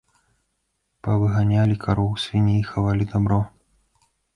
Павыганялі кароў, свіней, хавалі дабро.